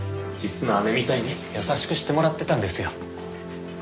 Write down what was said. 実の姉みたいに優しくしてもらってたんですよ。